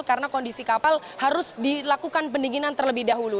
karena kondisi kapal harus dilakukan pendinginan terlebih dahulu